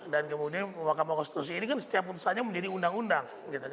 dan kemudian mahkamah konstitusi ini kan setiap putusannya menjadi undang undang